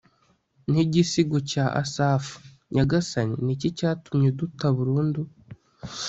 ni igisigo cya asafu. nyagasani, ni iki cyatumye uduta burundu